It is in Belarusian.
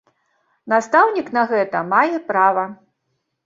Настаўнік на гэта мае права.